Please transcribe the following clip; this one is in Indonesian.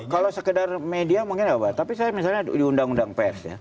kalau sekedar media mungkin apa tapi saya misalnya di undang undang pers ya